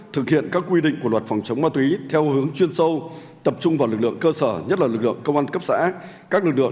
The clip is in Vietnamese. thứ trưởng đề nghị các tập thể cá nhân